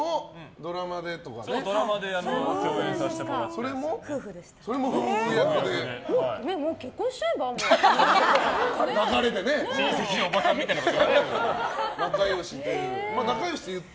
ドラマで共演させてもらって。